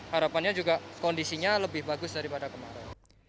harapannya juga kondisinya lebih bagus daripada kemarin